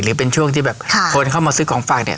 หรือเป็นช่วงที่แบบคนเข้ามาซื้อของฝากเนี่ย